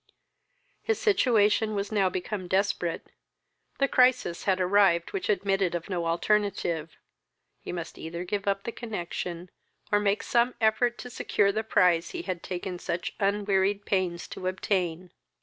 His situation was now become desperate; the crisis had arrived which admitted of no alternative. He must either give up the connexion, or make some effort to secure the prize he had taken such unwearied pains to obtain.